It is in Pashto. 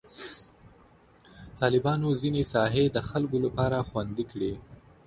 طالبانو ځینې ساحې د خلکو لپاره خوندي کړي.